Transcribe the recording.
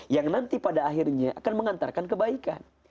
yang nanti pada akhirnya akan mengantarkan kebaikan